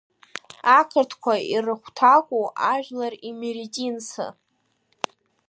Ақырҭқәа ирыхәҭаку ажәлар имеретинцы.